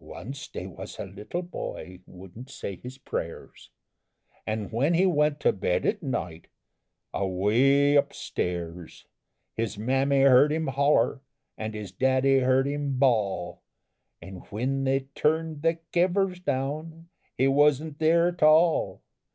Onc't they was a little boy wouldn't say his pray'rs; An' when he went to bed 'at night, away upstairs, His mammy heard him holler, and his daddy heard him bawl, An' whin they turn'd the kivvers down, he wasn't there at all!